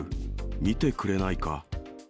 見てくれないか。